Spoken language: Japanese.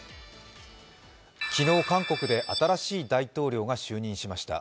昨日、韓国で新しい大統領が就任しました。